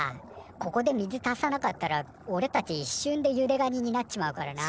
ここで水足さなかったらおれたちいっしゅんでゆでガニになっちまうからな。